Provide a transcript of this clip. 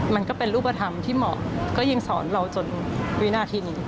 มันก็เป็นรูปธรรมที่เหมาะก็ยังสอนเราจนวินาทีนี้